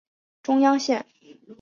中央线